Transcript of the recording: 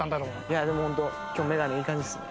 いやでもホント今日メガネいい感じっすね。